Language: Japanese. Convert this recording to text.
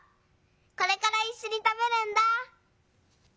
これからいっしょにたべるんだ」。